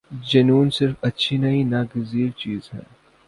جنون صرف اچھی نہیں ناگزیر چیز ہے۔